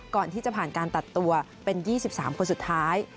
ก่อนที่จะผ่านการตัดตัวเป็น๒๓คนสุดท้าย